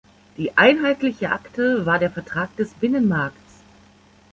Die Einheitliche Akte war der Vertrag des Binnenmarkts.